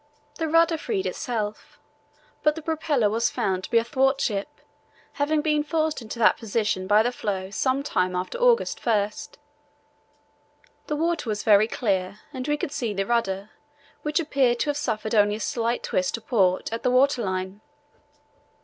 The rudder freed itself, but the propeller was found to be athwartship, having been forced into that position by the floe some time after August 1. The water was very clear and we could see the rudder, which appeared to have suffered only a slight twist to port at the water line.